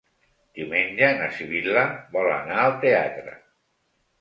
Diumenge na Sibil·la vol anar al teatre.